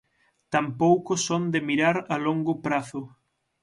Tampouco son de mirar a longo prazo.